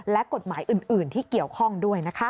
และกฎหมายอื่นที่เกี่ยวข้องด้วยนะคะ